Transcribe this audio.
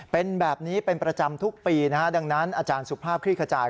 เป็นแบบนี้เป็นประจำทุกปีนะฮะดังนั้นอาจารย์สุภาพคลี่ขจาย